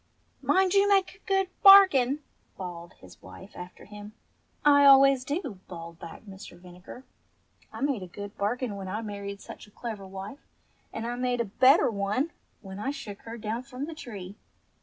"Mind you make a good bargain," bawled his wife after him. "I always do," bawled back Mr. Vinegar. "I made a good bargain when I married such a clever wife, and I made a better one when I shook her down from the tree.